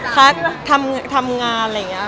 เพราะทำงานเลยงั้น